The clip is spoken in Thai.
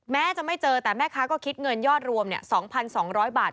แม้จะไม่เจอแต่แม่ค้าก็คิดเงินยอดรวม๒๒๐๐บาท